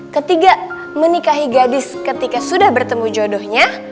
ketiga menikahi gadis ketika sudah bertemu jodohnya